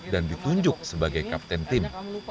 dan ditunjuk sebagai kapten tim